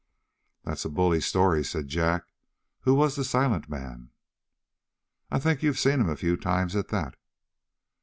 "That's a bully story," said Jack. "Who was the silent man?" "I think you've seen him a few times, at that."